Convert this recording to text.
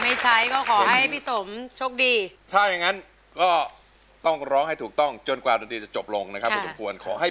มาไม่ใช้ตัวช่วยนะครับเพราะฉะนั้นต้องร้องให้ถูกต้องนะครับมาถึงเพลงแรกครับเพลงที่๑เพลงนี้มูลค่า๑๐๐๐๐บาท